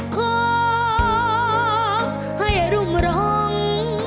ขอให้รุ่มร้อง